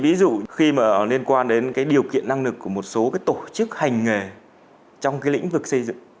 ví dụ khi mà liên quan đến cái điều kiện năng lực của một số cái tổ chức hành nghề trong cái lĩnh vực xây dựng